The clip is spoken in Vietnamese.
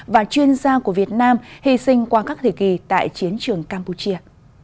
và chuyên gia của việt nam hy sinh qua các thời kỳ tại chiến trường campuchia